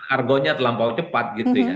argonya terlampau cepat